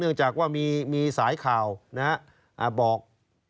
เนื่องจากว่ามีสายข่าวบอก